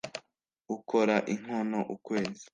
ukora inkono ukwezi